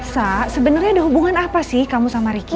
sa sebenernya ada hubungan apa sih kamu sama riki